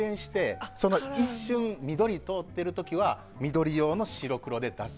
回転して一瞬緑が通っている時は緑用の白黒で出す。